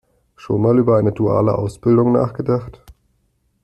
Schon mal über eine duale Ausbildung nachgedacht?